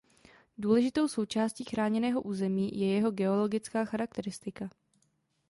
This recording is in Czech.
Důležitou součástí chráněného území je jeho geologická charakteristika.